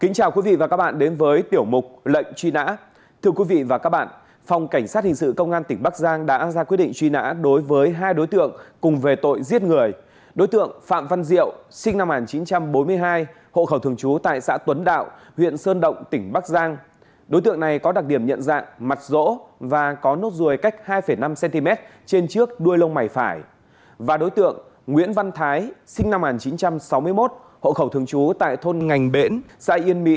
hãy đăng ký kênh để ủng hộ kênh của chúng mình nhé